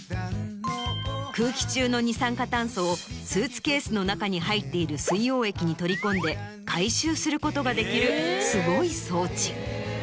空気中の二酸化炭素をスーツケースの中に入っている水溶液に取り込んで回収することができるすごい装置。